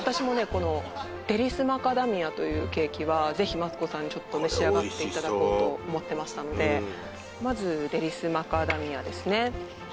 このデリス・マカダミアというケーキはぜひマツコさんにちょっと召し上がっていただこうとこれおいしそう思ってましたのでまずデリス・マカダミアですね